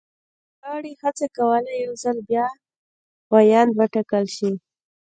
نوموړي هڅه کوله یو ځل بیا ویاند وټاکل شي.